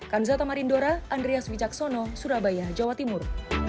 kanzata marindora andreas wijaksono surabaya jawa timur